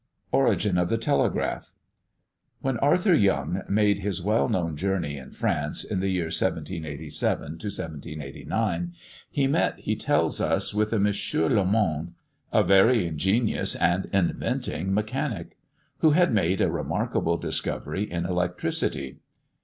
ORIGIN OF THE TELEGRAPH. When Arthur Young made his well known journey in France, in the year 1787 to 1789, he met, he tells us, with a Monsieur Lomond, "a very ingenious and inventing mechanic," who had made a remarkable discovery in electricity.